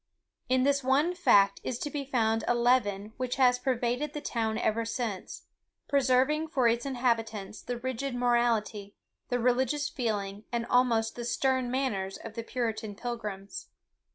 In this one fact is to be found a leaven which has pervaded the town ever since, preserving for its inhabitants the rigid morality, the religious feeling, and almost the stern manners of the Puritan pilgrims.